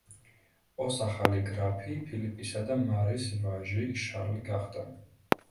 ოს ახალი გრაფი ფილიპისა და მარის ვაჟი, შარლი გახდა.